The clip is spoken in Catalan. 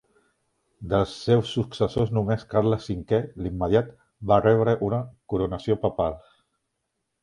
Dels seus successors només Carles Cinquè, l'immediat, va rebre una coronació papal.